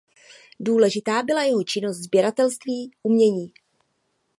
Důležitá byla jeho činnost sběratelství umění.